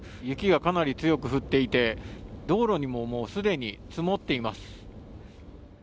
雪がかなり強く降っていて、道路にももう既に積もっています。